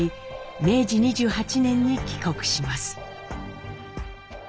明治２８年に帰国します。